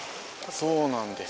そうなんです。